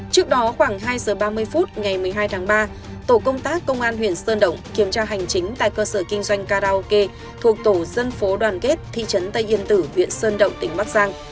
trước đó khoảng hai giờ ba mươi phút ngày một mươi hai tháng ba tổ công tác công an huyện sơn động kiểm tra hành chính tại cơ sở kinh doanh karaoke thuộc tổ dân phố đoàn kết thị trấn tây yên tử huyện sơn động tỉnh bắc giang